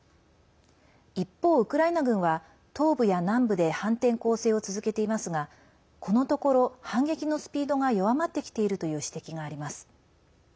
一方、ウクライナ軍は東部や南部で反転攻勢を続けていますがこのところ、反撃のスピードが弱まってきているという指摘があります。